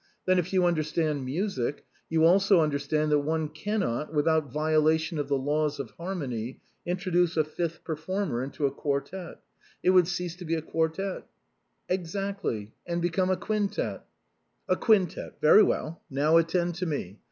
Then, if you under stand music, you also understand that one cannot, without violation of the laws of harmony, introduce a fifth per former into a quartette; it would cease to be a quartette." " Exactly, and become a quintette." " A quintette ; very well ; now attend to me.